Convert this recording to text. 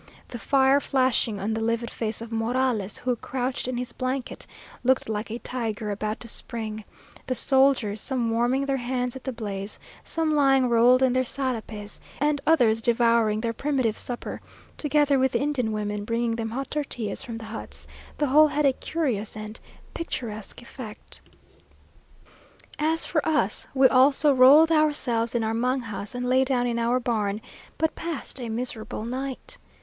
The fire, flashing on the livid face of Morales, who, crouched in his blanket, looked like a tiger about to spring the soldiers, some warming their hands at the blaze, some lying rolled in their sarapes, and others devouring their primitive supper together with the Indian women bringing them hot tortillas from the huts the whole had a curious and picturesque effect. As for us, we also rolled ourselves in our mangas, and lay down in our barn, but passed a miserable night.